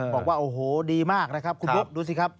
บอกว่าโอ้โหดีมากนะครับคุณบุ๊คดูสิครับ